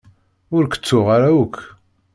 Ur k-ttuɣ ara akk.